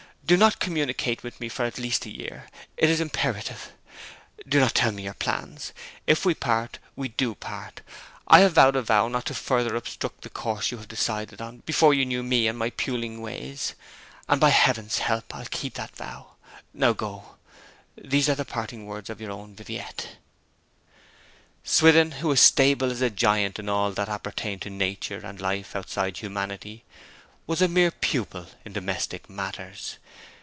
Do not communicate with me for at least a year: it is imperative. Do not tell me your plans. If we part, we do part. I have vowed a vow not to further obstruct the course you had decided on before you knew me and my puling ways; and by Heaven's help I'll keep that vow. ... Now go. These are the parting words of your own Viviette!' Swithin, who was stable as a giant in all that appertained to nature and life outside humanity, was a mere pupil in domestic matters.